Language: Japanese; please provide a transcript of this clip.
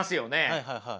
はいはいはい。